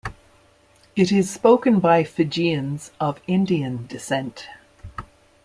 It is spoken by Fijians of Indian descent.